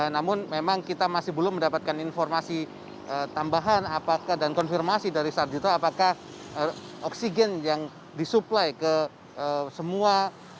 namun memang kita masih belum mendapatkan informasi tambahan dan konfirmasi dari sarjito apakah oksigen yang disuplai ke semua